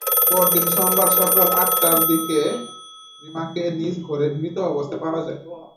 পরদিন সোমবার সকাল আটটার দিকে রিমাকে নিজ ঘরে মৃত অবস্থায় পাওয়া যায়।